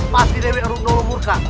pasti dewi arugnolo murka